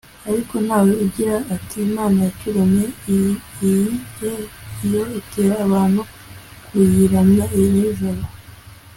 ariko nta we ugira ati imana yaturemye iri he? yo itera abantu kuyiramya nijoro